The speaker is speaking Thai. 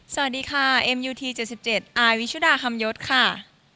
สวัสดีค่ะเอ็มยูทีเจ็ดสิบเจ็ดอาร์วิชุดาคำยศค่ะ